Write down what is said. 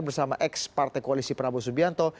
bersama ex partai koalisi prabowo subianto